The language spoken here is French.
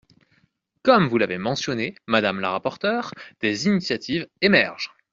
Comme vous l’avez mentionné, madame la rapporteure, des initiatives émergent.